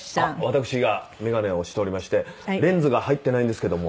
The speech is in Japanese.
私が眼鏡をしておりましてレンズが入ってないんですけども。